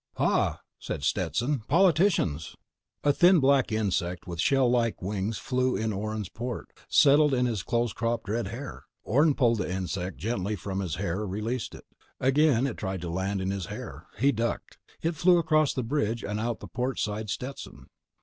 "Hah!" said Stetson. "Politicians!" A thin black insect with shell like wings flew in Orne's port, settled in his close cropped red hair. Orne pulled the insect gently from his hair, released it. Again it tried to land in his hair. He ducked. It flew across the bridge, out the port beside Stetson.